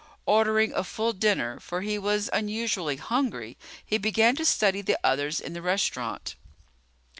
Ordering a full dinner, for he was unusually hungry, he began to study the others in the restaurant.